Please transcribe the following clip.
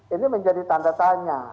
ini menjadi tanda tanya